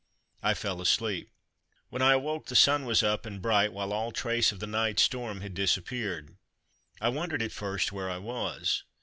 I fell asleep. When I awoke the sun was up and bright, while all trace of the night storm had disappeared. I wondered at first where I was.